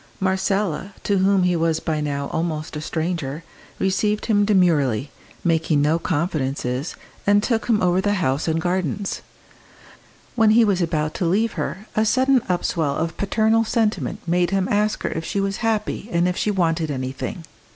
Marcella, to whom he was by now almost a stranger, received him demurely, making no confidences, and took him over the house and gardens. When he was about to leave her a sudden upswell of paternal sentiment made him ask her if she was happy and if she wanted anything.